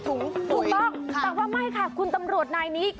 ถูกต้องแต่ว่าไม่ค่ะคุณตำรวจนายนี้